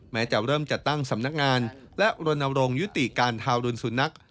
จะเริ่มจัดตั้งสำนักงานและรณรงค์ยุติการทารุณสุนัข